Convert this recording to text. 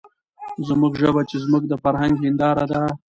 زموږ ژبه چې زموږ د فرهنګ هېنداره ده،